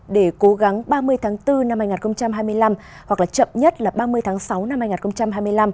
để cố gắng ba mươi tháng bốn năm hai nghìn hai mươi năm hoặc chậm nhất là ba mươi tháng sáu năm hai nghìn hai mươi năm